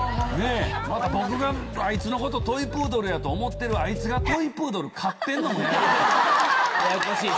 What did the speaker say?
また僕があいつのことトイプードルやと思ってるあいつがトイプードル飼ってんのもややこしい。